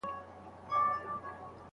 آيا ايجاب او قبول ته نکاح ويل کيږي؟